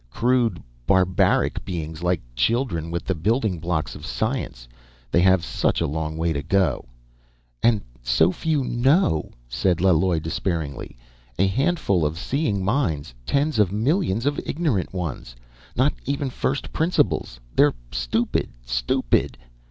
Crude, barbaric beings, like children with the building blocks of science. They have such a long way to go ..." "And so few know," said Laloi despairingly. "A handful of seeing minds, tens of millions of ignorant ones. Not even first principles they're stupid, stupid!"